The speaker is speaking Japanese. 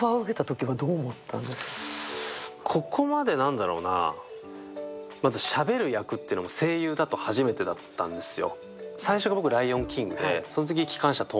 ここまでしゃべる役っていうのも、声優だと初めてだったんですよ。